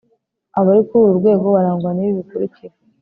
abari kuri uru rwego barangwa n'ibi bikurikira